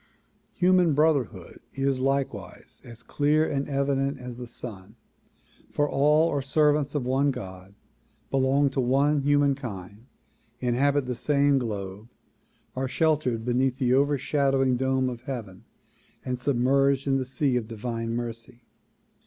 Human brotherhood is like wise as clear and evident as the sun, for all are servants of one God, belong to one humankind, inhabit the same globe, are shel tered beneath the overshadowing dome of heaven and submerged in the sea of divine mercy.